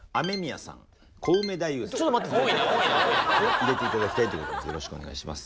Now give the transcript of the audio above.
入れて頂きたいということです。